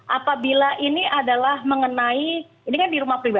apabila ini adalah mengenai ini kan di rumah pribadi